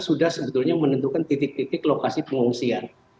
sudah sebetulnya menentukan titik titik lokasi pengungsian